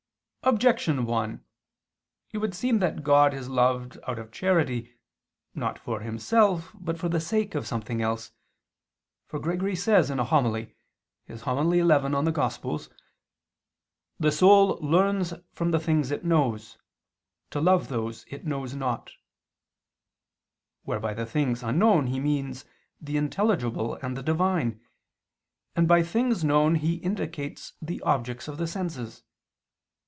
Objection 1: It would seem that God is loved out of charity, not for Himself but for the sake of something else. For Gregory says in a homily (In Evang. xi): "The soul learns from the things it knows, to love those it knows not," where by things unknown he means the intelligible and the Divine, and by things known he indicates the objects of the senses.